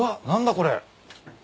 これ。